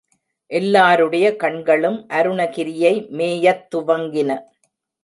எல்லாருடைய கண்களும் அருணகிரியை மேயத் துவங்கின.